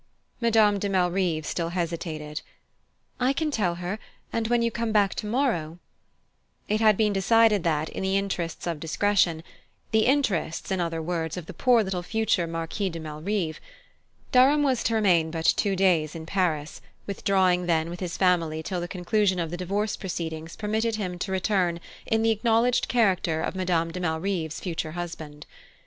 Madame de Malrive still hesitated. "I can tell her; and when you come back tomorrow " It had been decided that, in the interests of discretion the interests, in other words, of the poor little future Marquis de Malrive Durham was to remain but two days in Paris, withdrawing then with his family till the conclusion of the divorce proceedings permitted him to return in the acknowledged character of Madame de Malrive's future husband.